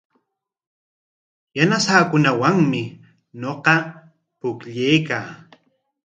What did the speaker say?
Yanasaakunawanmi ñuqa pukllaykaa.